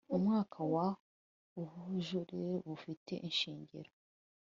mu mwaka wa ubujurire bufite ishingiro